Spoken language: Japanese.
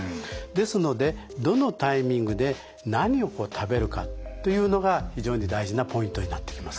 ですのでどのタイミングで何を食べるかというのが非常に大事なポイントになってきます。